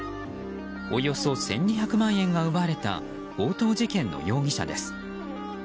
およそ１２００万円が奪われた強盗事件の容疑者です。